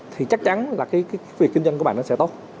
thì chắc chắn là cái việc kinh doanh của bạn nó sẽ tốt